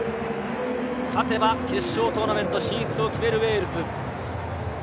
勝てば、決勝トーナメント進出を決めるウェールズ。